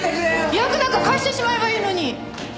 ヤクなんか返してしまえばいいのに！